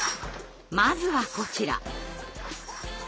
まずはこちら。